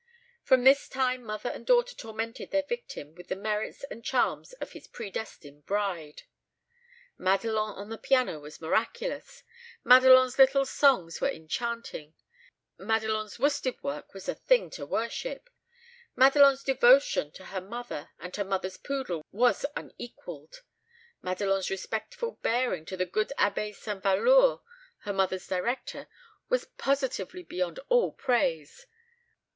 From this time mother and sister tormented their victim with the merits and charms of his predestined bride. Madelon on the piano was miraculous; Madelon's little songs were enchanting; Madelon's worsted work was a thing to worship; Madelon's devotion to her mother and her mother's poodle was unequalled; Madelon's respectful bearing to the good Abbé St. Velours her mother's director was positively beyond all praise.